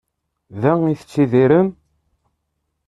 Da i tettidirem?